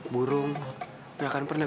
burung ga akan pernah bisa hidup